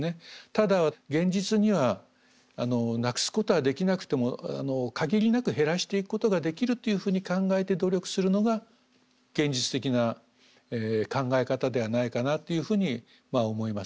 ただ現実にはなくすことはできなくても限りなく減らしていくことができるというふうに考えて努力するのが現実的な考え方ではないかなというふうに思います。